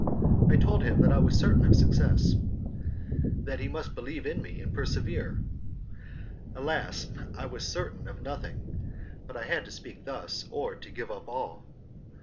I told him that I was certain of success; that he must believe in me and persevere. Alas! I was certain of nothing, but I had to speak thus or to give up all.